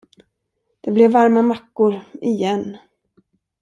Det blev varma mackor, igen.